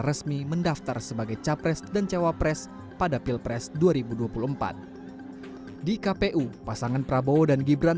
resmi mendaftar sebagai capres dan cawapres pada pilpres dua ribu dua puluh empat di kpu pasangan prabowo dan gibran